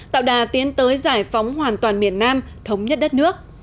tạo đà tiến tới giải phóng hoàn toàn miền nam thống nhất đất nước